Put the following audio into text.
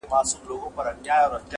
د مدرسو او مکتبونو کیسې-